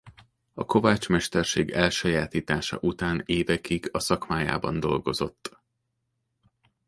A kovács mesterség elsajátítása után évekig a szakmájában dolgozott.